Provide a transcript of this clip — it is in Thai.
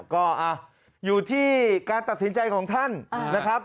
ก็อยู่ที่การตัดสินใจของท่านนะครับ